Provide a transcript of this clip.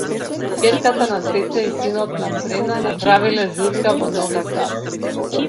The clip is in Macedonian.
Ќерката на Цеца и синот на Брена направиле журка во Нови Сад